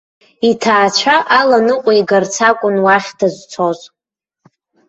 Иҭаацәа аланыҟәигарц акәын уахь дызцоз.